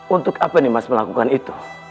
untuk apa nih mas melakukan itu